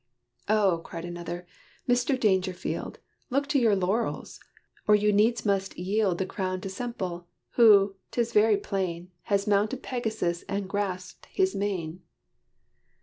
"Oh!" cried another, "Mr. Dangerfield, Look to your laurels! or you needs must yield The crown to Semple, who, 'tis very plain, Has mounted Pegasus and grasped his mane."